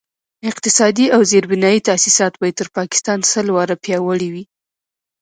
اقتصادي او زیربنایي تاسیسات به یې تر پاکستان سل واره پیاوړي وي.